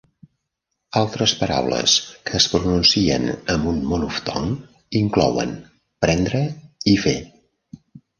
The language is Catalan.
Altres paraules que es pronuncien amb un monoftong inclouen: prendre i fer.